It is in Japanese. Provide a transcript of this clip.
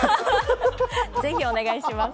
ぜひ、お願いします。